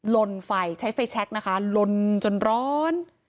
ลนไฟใช้ไฟแชคนะคะลนจนร้อน